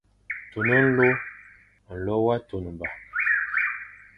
Tun nlô, nlô wa tunba.